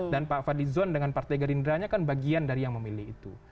dan pak fadlizon dengan partai garindranya kan bagian dari yang memilih itu